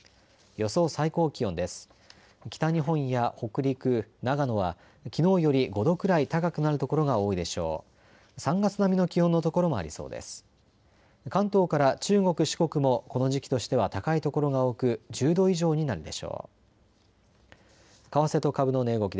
予想最高気温です。